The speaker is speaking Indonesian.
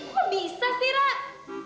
kok bisa sih rat